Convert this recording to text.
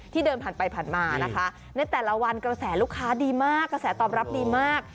เดินผ่านไปผ่านมานะคะในแต่ละวันกระแสลูกค้าดีมากกระแสตอบรับดีมาก